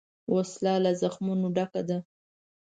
وسله له زخمونو ډکه ده